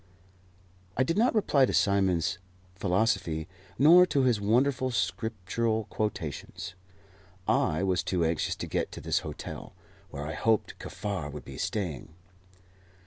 I did not reply to Simon's philosophy, nor to his wonderful scriptural quotations. I was too anxious to get to this hotel, where I hoped Kaffar would be staying.